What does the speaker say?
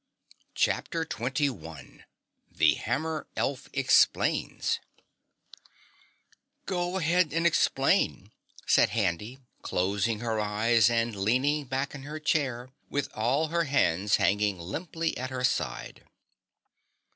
CHAPTER 21 The Hammer Elf Explains "Go ahead and explain," said Handy, closing her eyes and leaning back in her chair with all her hands hanging limply at her side.